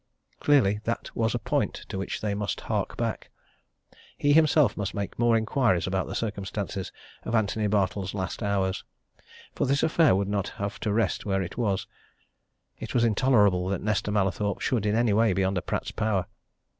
Clearly that was a point to which they must hark back he himself must make more inquiries about the circumstances of Antony Bartle's last hours. For this affair would not have to rest where it was it was intolerable that Nesta Mallathorpe should in any way be under Pratt's power.